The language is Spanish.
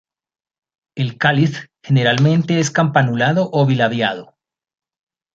El cáliz generalmente es campanulado o bilabiado.